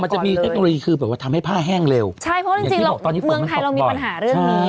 มันจะมีเทคโนโลยีคือแบบว่าทำให้ผ้าแห้งเร็วใช่เพราะอย่างที่บอกตอนนี้เมืองไทยเรามีปัญหาเรื่องนี้